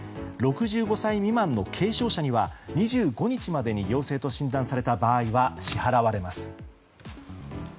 ６５歳未満の軽症者には２５日までに陽性と診断された場合は支払われます。